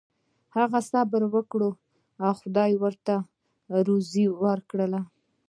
هغه صبر وکړ او خدای ورته روزي ورکړه.